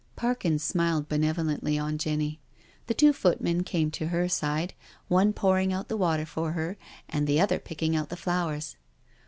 Parkins smiled benevolently on Jenny. The two footmen came to her side, one pouring out the water for her, and the other picking out the flowers.